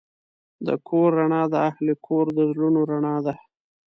د کور رڼا د اهلِ کور د زړونو رڼا ده.